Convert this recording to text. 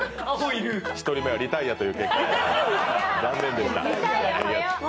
１人目はリタイアという結果になりました。